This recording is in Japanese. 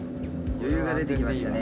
余裕が出てきましたね。